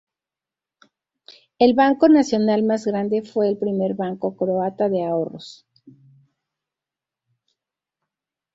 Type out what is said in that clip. El banco nacional más grande fue el primer banco croata de ahorros.